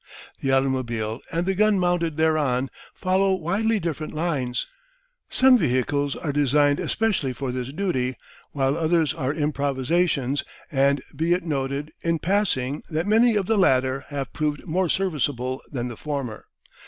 The automobile and the gun mounted thereon follow widely different lines. Some vehicles are designed especially for this duty, while others are improvisations, and be it noted, in passing, that many of the latter have proved more serviceable than the former.